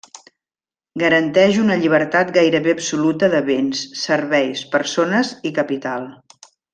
Garanteix una llibertat gairebé absoluta de béns, serveis, persones i capital.